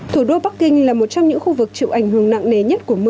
thủ đô bắc kinh là một trong những khu vực chịu ảnh hưởng nặng nề nhất của mưa